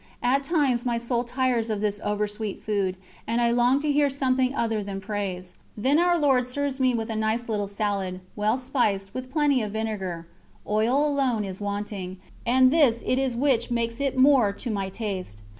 At times my soul tires of this over sweet food, and I long to hear something other than praise; then Our Lord serves me with a nice little salad, well spiced, with plenty of vinegar oil alone is wanting, and this it is which makes it more to my taste.